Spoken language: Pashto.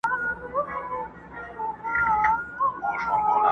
له پاڼو تشه ده ویجاړه ونه!